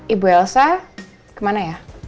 ibu elsa kemana ya